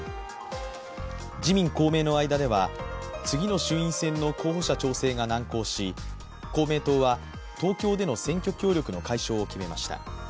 自民・公明の間では次の衆院選の候補者調整が難航し、公明党は東京での選挙協力の解消を決めました。